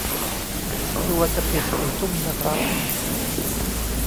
ครัวจะปิดสี่ทุ่มนะครับ